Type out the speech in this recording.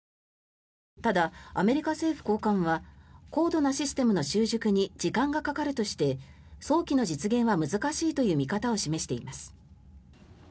ただ、アメリカ政府高官は高度なシステムの習熟に時間がかかるとして早期の実現は難しいという見方を示しています。